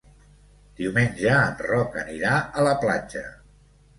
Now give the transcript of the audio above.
Diumenge en Roc anirà a la platja.